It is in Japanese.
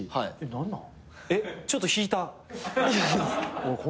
何なん？